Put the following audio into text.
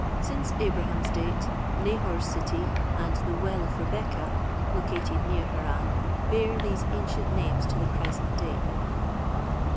Since Abraham's date, "Nahor's City" and the "Well of Rebekah," located near Haran, bear these ancient names to the present day.